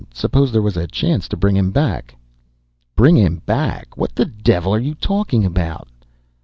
Suppose there was a chance to bring him back?" "Bring him back? What the devil are you talking about?"